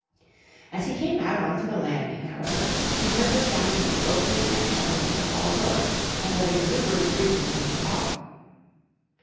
As he came out on to the landing, however, he heard the sound of the opening and shutting of the hall door and of exuberant greetings in the hall.